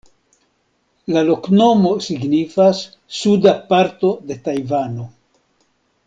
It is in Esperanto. La loknomo signifas: "suda parto de Tajvano".